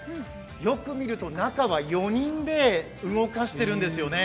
よく見ると中は４人で動かしているんですよね。